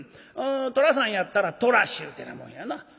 寅さんやったら『寅衆』ってなもんやな。